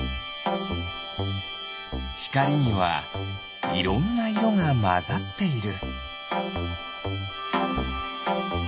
ひかりにはいろんないろがまざっている。